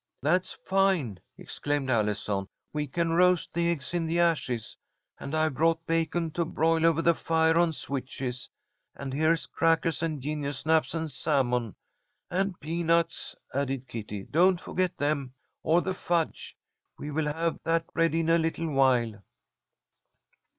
"That's fine!" exclaimed Allison. "We can roast the eggs in the ashes, and I've brought bacon to broil over the fire on switches. And here's crackers and gingersnaps and salmon " "And peanuts," added Kitty, "don't forget them. Or the fudge. We will have that ready in a little while."